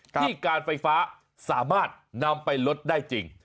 ที่การไฟฟ้าสามารถนำไปลดได้จริง